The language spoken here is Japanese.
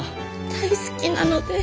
大好きなので。